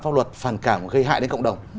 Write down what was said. pháp luật phản cảm gây hại đến cộng đồng